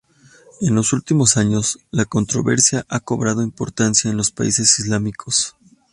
En los últimos años, la controversia ha cobrado importancia en los países islámicos.